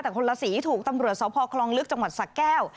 แต่คนละสีถูกตำรวจสพคลองลึกจังหวัดสะแก้ว